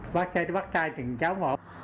bác trai tới bác trai thì cháu ngộ